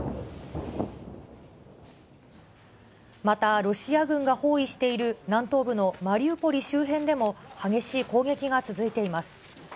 また、ロシア軍が包囲している南東部のマリウポリ周辺でも、激しい攻撃が続いています。